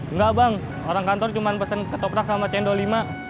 enggak bang orang kantor cuma pesen ketoprak sama cendol lima